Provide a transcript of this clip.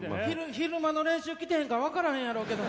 昼間の練習来てへんから分からへんやろうけど。